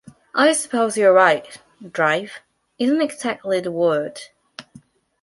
I suppose you're right—"drive" isn't exactly the word.